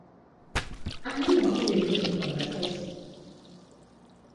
Ani yakuba emmotoka amasasi?